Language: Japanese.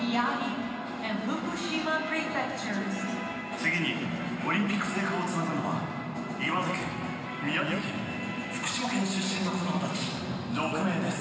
次にオリンピック聖火をつなぐのは岩手県、宮城県、福島県出身の子どもたち６名です。